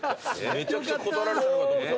めちゃくちゃ断られたのかと思った。